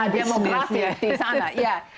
demografi di sana ya